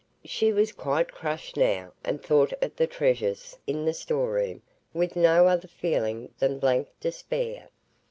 She was quite crushed now, and thought of the treasures in the storeroom with no other feeling than blank despair.